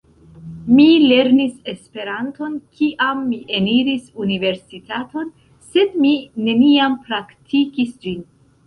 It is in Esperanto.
Mi lernis Esperanton kiam mi eniris universitaton, sed mi neniam praktikis ĝin.